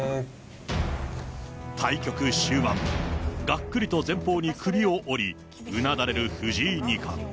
対局終盤、がっくりと前方に首を折り、うなだれる藤井二冠。